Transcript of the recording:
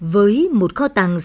với một kho tàng dân tộc